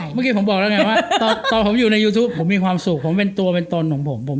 เมื่อกี้ผมบอกแล้วไงว่าตอนผมอยู่ในยูทูปผมมีความสุขผมเป็นตัวเป็นตนของผม